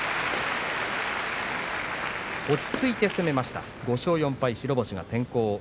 落ち着いて攻めました５勝４敗、白星先行。